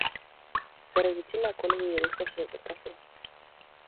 Ferge ti lakol weere kos we go pa so.